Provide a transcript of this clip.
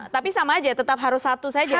tapi sama aja tetap harus satu saja